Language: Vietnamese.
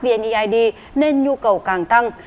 vn eid nên nhu cầu càng tăng